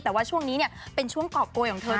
แต่ว่าช่วงนี้เนี่ยเป็นช่วงเกาะโกยของเธอ